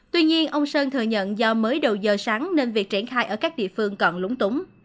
tuy nhiên ông sơn thừa nhận do mới đầu giờ sáng nên việc triển khai ở các địa phương còn lúng túng